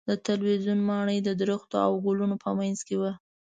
د تلویزیون ماڼۍ د درختو او ګلونو په منځ کې وه.